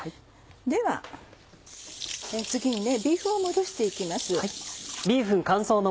では次にビーフンを戻して行きます。